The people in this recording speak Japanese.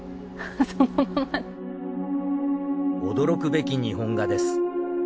驚くべき日本画です。